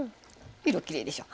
色きれいでしょう。